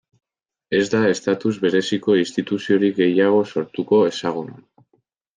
Ez da estatus bereziko instituziorik gehiago sortuko Hexagonoan.